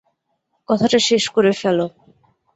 কথাটা শেষ করে ফেলো।